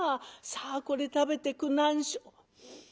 さあこれ食べてくなんしょ」。